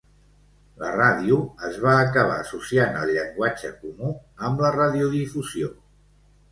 La ràdio es va acabar associant al llenguatge comú amb la radiodifusió.